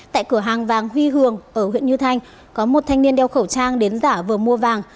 tại cửa hàng vàng huy hường ở huyện như thanh có một thanh niên đeo khẩu trang đến giả vừa mua vàng